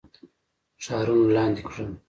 ښارونه لاندي کړل.